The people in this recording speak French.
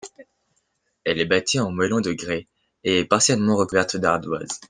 Elle est bâtie en moellons de grès et est partiellement recouverte d'ardoises.